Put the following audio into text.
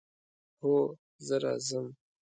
هو، زه راځم